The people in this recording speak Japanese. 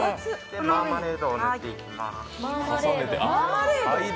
マーマレードを塗っていきます。